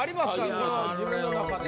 この自分の中で。